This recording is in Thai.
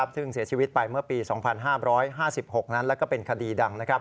ซึ่งเสียชีวิตไปเมื่อปี๒๕๕๖นั้นแล้วก็เป็นคดีดัง